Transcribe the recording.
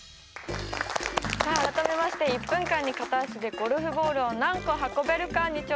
さあ改めまして１分間に片足でゴルフボールを何個運べるかに挑戦するやすと君です。